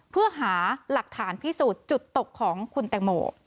เพื่อหาหลักฐานพิสูจน์จุดตกของคุณแตงโม